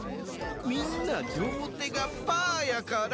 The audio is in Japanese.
みんなりょうてがパーやから。